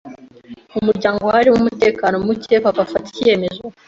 mu muryango hajemo umutekano muke papa afata icyemezo